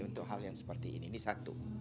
untuk hal yang seperti ini ini satu